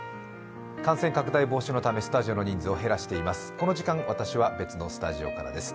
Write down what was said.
感染拡大防止のためスタジオの人数を減らしています。